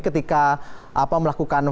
kamu ketika melakukan